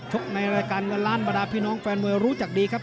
ในรายการเงินล้านบรรดาพี่น้องแฟนมวยรู้จักดีครับ